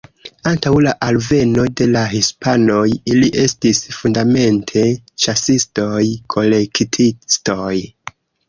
Antaŭ la alveno de la hispanoj ili estis fundamente ĉasistoj-kolektistoj.